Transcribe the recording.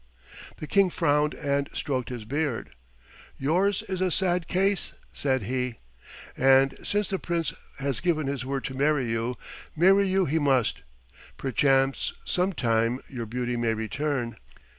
The King frowned and stroked his beard. "Yours is a sad case," said he, "and since the Prince has given his word to marry you, marry you he must. Perchance sometime your beauty may return."